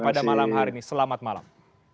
pada malam hari ini selamat malam